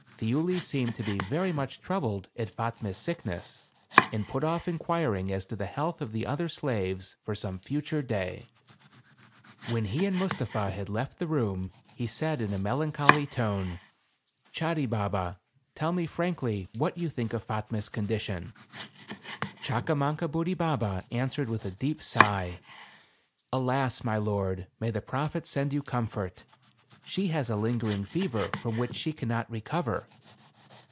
Thiuli seemed to be very much troubled at Fatme's sickness, and put off inquiring as to the health of the other slaves for some future day. When he and Mustapha had left the room he said in a melancholy tone, " Chadibaba, tell me frankly what you think of Fatme's condition ?" Chakamankabudibaba answered with a deep sigh, " Alas ! my lord, may the Prophet send you com fort. She has a lingering fever from which she cannot recover.